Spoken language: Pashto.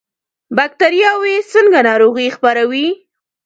بکتریاوې څنګه ناروغي خپروي؟